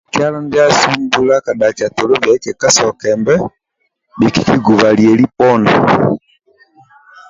Ka kialo ndiasu mbula kadhakia tolo kekasokembe bhikikguba lieli poni